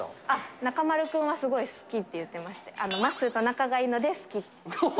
中丸君はすごい好きと言ってまして、まっすーと仲がいいので好きって。